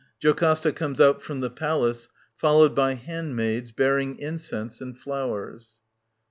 [JocASTA comes out from the Palace followed by handmaids bearing incense and flowers.